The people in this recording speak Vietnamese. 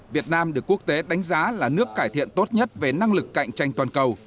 việt nam được quốc tế đánh giá là nước cải thiện tốt nhất về năng lực cạnh tranh toàn cầu